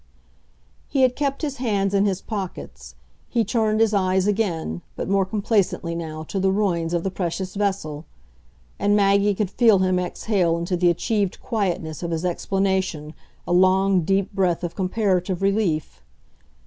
He had kept his hands in his pockets; he turned his eyes again, but more complacently now, to the ruins of the precious vessel; and Maggie could feel him exhale into the achieved quietness of his explanation a long, deep breath of comparative relief.